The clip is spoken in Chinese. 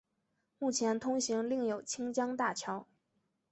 目前通行另有清江大桥。